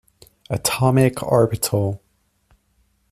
atomic orbital.